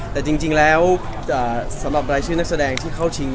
แต่จริงแล้วสำหรับรายชื่อนักแสดงที่เข้าชิง